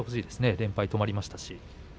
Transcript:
連敗止まりましたし。